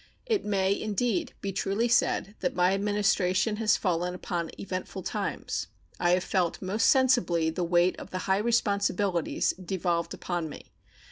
It may, indeed, be truly said that my Administration has fallen upon eventful times. I have felt most sensibly the weight of the high responsibilities devolved upon me.